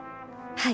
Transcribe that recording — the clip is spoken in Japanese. はい。